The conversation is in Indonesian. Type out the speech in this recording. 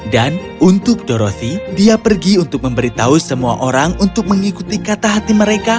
dan untuk dorothy dia pergi untuk memberitahu semua orang untuk mengikuti kata hati mereka